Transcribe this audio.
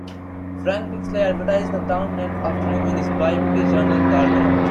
Frank Pixley advertised the town named after him in his biweekly journal "The Argonaut".